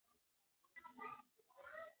موږ باید د نورو خلکو محرمیت ته درناوی وکړو.